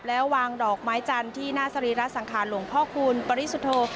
แล้ววางดอกไม้จันทร์ที่หน้าสรีระสังขารหลวงพ่อคูณปริสุทธโธ